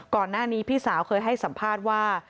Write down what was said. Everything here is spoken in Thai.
ก่อนหน้านี้พี่สาวเคยให้สัมภาษณ์ว่า